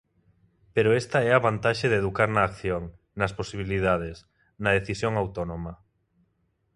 Pero esta é a vantaxe de educar na acción, nas posibilidades, na decisión autónoma.